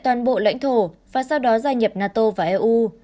toàn bộ lãnh thổ và sau đó gia nhập nato và eu